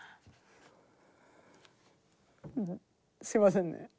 すいませんね。